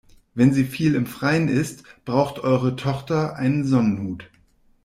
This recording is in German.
Wenn sie viel im Freien ist, braucht eure Tochter einen Sonnenhut.